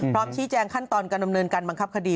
พร้อมชี้แจงขั้นตอนการดำเนินการบังคับคดี